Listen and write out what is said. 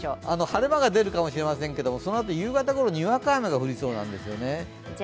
晴れ間が出るかもしれませんけれどもそのあと、夕方ごろ、にわか雨が降りそうなんですよね。